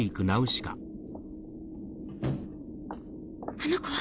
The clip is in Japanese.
あの子は？